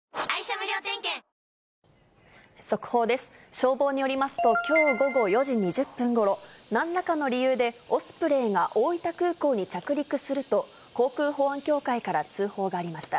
消防によりますと、きょう午後４時２０分ごろ、なんらかの理由で、オスプレイが大分空港に着陸すると、航空保安協会から通報がありました。